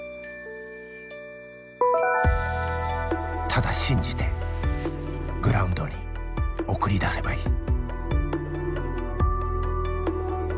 ただ信じてグラウンドに送り出せばいい。